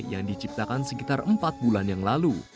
yang diciptakan sekitar empat bulan yang lalu